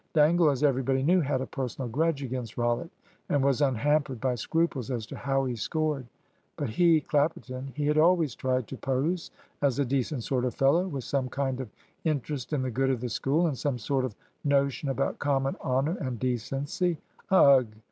Dangle, as everybody knew, had a personal grudge against Rollitt, and was unhampered by scruples as to how he scored. But he Clapperton he had always tried to pose as a decent sort of fellow, with some kind of interest in the good of the School and some sort of notion about common honour and decency. Ugh!